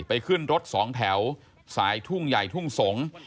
ขึ้นรถสองแถวสายทุ่งใหญ่ทุ่งสงศ์